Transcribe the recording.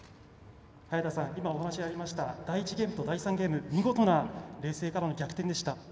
早田さん、今お話がありました第１ゲームと第３ゲーム見事な劣勢からの逆転でした。